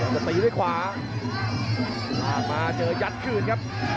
จะตีด้วยขวาผ่านมาเจอยัดคืนครับ